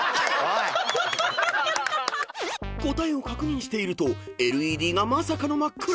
［答えを確認しているとＬＥＤがまさかの真っ暗］